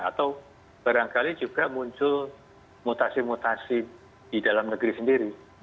atau barangkali juga muncul mutasi mutasi di dalam negeri sendiri